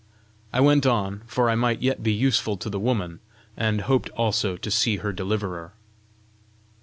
I went on, for I might yet be useful to the woman, and hoped also to see her deliverer.